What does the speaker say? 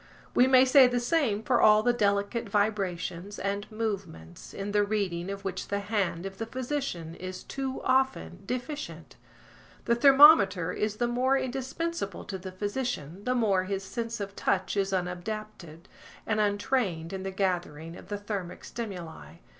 We may say the same for all the delicate vibrations and movements, in the reading of which the hand of the physician is too often deficient. The thermometer is the more indispensable to the physician the more his sense of touch is unadapted and untrained in the gathering of the thermic stimuli.